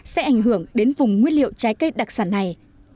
sẽ ảnh hưởng đến vùng nguyên liệu trái cây đặc sản này